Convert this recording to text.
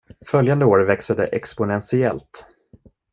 Följande år växer det exponentiellt.